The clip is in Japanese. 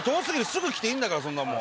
すぐ来ていいんだから！